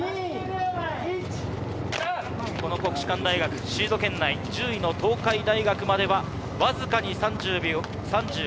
この国士舘大学、シード圏内１０位の東海大学まではわずかに３５秒。